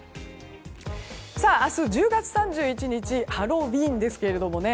明日１０月３１日ハロウィーンですけれどもね。